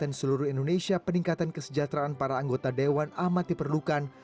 di seluruh indonesia peningkatan kesejahteraan para anggota dewan amat diperlukan